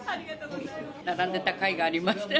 並んでたかいがありました。